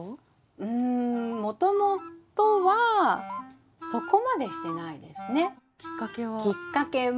うんもともとはそこまでしてないですね。きっかけは？